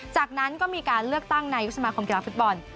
จากนั้นก็มีการเลือกตั้งนายกสมาคมกีฬาฟุตบอล